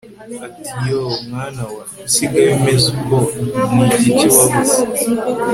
atiYooooooMwana wa kusigaye umezuko nigiki wabuze